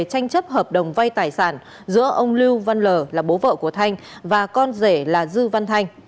tranh chấp hợp đồng vay tài sản giữa ông lưu văn lờ là bố vợ của thanh và con rể là dư văn thanh